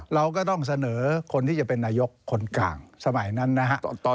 เราก็ต้องเสนอคนที่จะเป็นนายกคนกลางสมัยนั้นนะฮะ